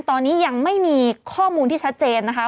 ตอนนี้ยังไม่มีข้อมูลที่ชัดเจนนะคะ